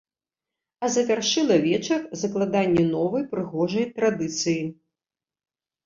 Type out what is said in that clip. А завяршыла вечар закладанне новай прыгожай традыцыі.